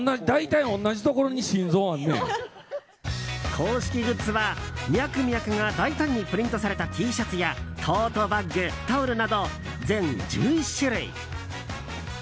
公式グッズはミャクミャクが大胆にプリントされたＴシャツやトートバッグ、タオルなど全１１種類。